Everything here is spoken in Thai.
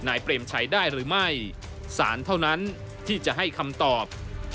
เปรมชัยได้หรือไม่สารเท่านั้นที่จะให้คำตอบ